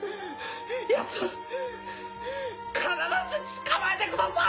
ヤツを必ず捕まえてください！